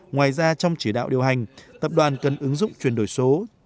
ngoài ra trong chỉ đạo điều hành tập đoàn cần ứng dụng chuyển đổi số